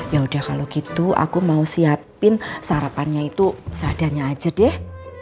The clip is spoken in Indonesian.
ya udah kalau gitu aku mau siapin sarapannya itu seadanya aja deh